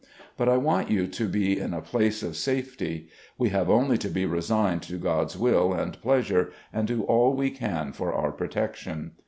But I want you to be in a place of safety. ... We have only to be resigned to God's will and pleasure, and do all we can for our protection.